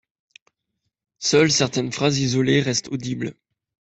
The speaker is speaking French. Seules certaines phrases isolées restent audibles.